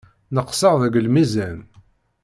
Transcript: Neqseɣ deg lmizan.